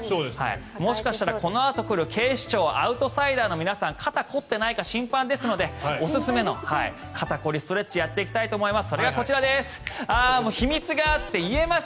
もしかしたら、このあと来る「警視庁アウトサイダー」の皆さん肩凝ってないか心配ですのでおすすめの肩凝りストレッチやっていきたいと思います。